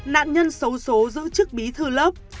nạn nhân xấu xố giữ chức bí thư lớp